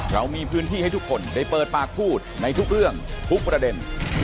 เรามีพื้นที่ให้ทุกคนได้เปิดปากพูดในทุกเรื่องทุกประเด็น